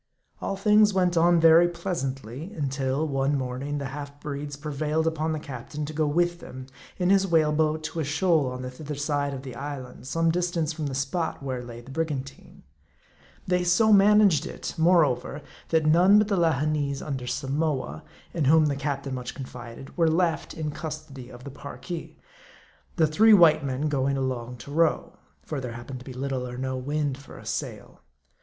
All things went on very pleasantly until, one morning, the half breeds prevailed upon the captain to go with them, in his whale boat, to a shoal on the thither side of the island, some distance from the spot where lay the brigantine. They 88 M A R D I. so managed it, moreover, that none but the Lahineese under Samoa, in whom the captain much confided, were left in custody of the Parki ; the three white men going along to row ; for there happened to be little or no wind for a sail.